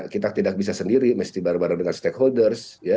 kita tidak bisa sendiri mesti bareng bareng dengan stakeholders ya